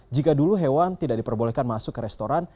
jika dulu hewan tidak diperbolehkan masuk ke restoran